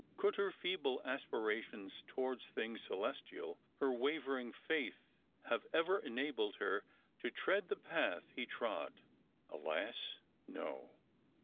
Could her feeble aspirations towards things celestiali Strangers and Pilgrims. 233 her wavering faith, have ever enabled her to tread the path he frod ? Alas, no